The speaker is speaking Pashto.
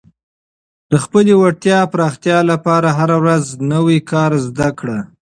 د خپلې وړتیا پراختیا لپاره هره ورځ نوی کار زده کړه.